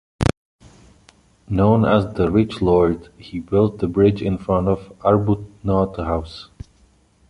Known as "the rich Lord" he built the bridge in front of Arbuthnott House.